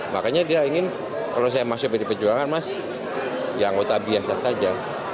makanya dia ingin kalau saya masuk pd perjuangan mas ya anggota biasa saja